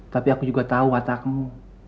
tapi aku juga tahu katamu